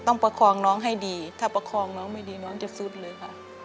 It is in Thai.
ประคองน้องให้ดีถ้าประคองน้องไม่ดีน้องจะสุดเลยค่ะ